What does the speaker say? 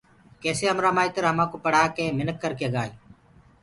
ڪيسي همرآ مآئتر همآنٚڪو پڙهآڪي منک ڪرڪي گآئينٚ